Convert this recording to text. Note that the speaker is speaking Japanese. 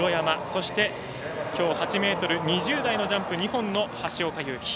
そして、きょう８ｍ２０台のジャンプ２本の橋岡優輝。